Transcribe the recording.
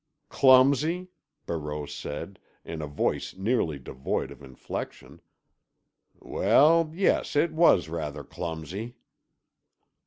"Clumsy?" Barreau said, in a voice nearly devoid of inflection. "Well, yes; it was rather clumsy."